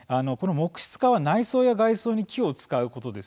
木質化は内装や外装に木を使うことです。